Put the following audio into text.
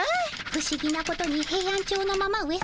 ふしぎなことにヘイアンチョウのママ上さま